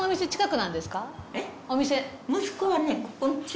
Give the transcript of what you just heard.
息子はね。